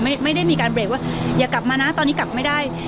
ไม่ได้มีการเบรกว่าอย่ากลับมานะตอนนี้กลับไม่ได้